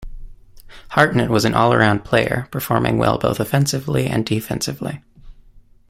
Hartnett was an all-around player, performing well both offensively and defensively.